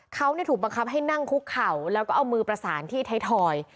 เขาถูกบังคับให้นั่งคุกเข่าแล้วก็เอามือประสานที่ไทยทอย